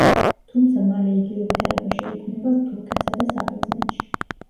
თუმცა, მალე იგივე ვითარება შეიქმნება თურქეთსა და საბერძნეთში.